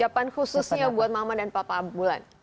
ucapan khususnya buat mama dan papa bulan